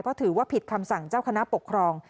เพราะถือว่าผิดคำสั่งเจ้าคณะปกครอง